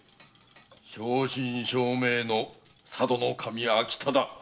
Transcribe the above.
正真正銘の佐渡守明忠。